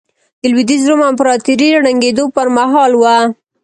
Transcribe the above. د لوېدیځ روم امپراتورۍ ړنګېدو پرمهال وه.